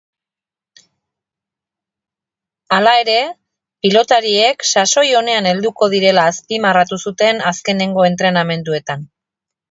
Hala ere, pilotariek sasoi onean helduko direla azpimarratu zuten azkenengo entrenamenduetan.